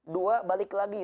dua balik lagi